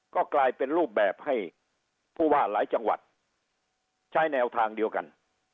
ก็กลายเป็นรูปแบบให้ผู้ว่าหลายจังหวัดใช้แนวทางเดียวกัน